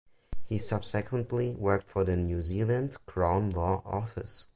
He subsequently worked for the New Zealand Crown Law Office.